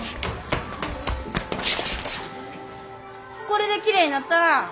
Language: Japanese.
これできれいなったな。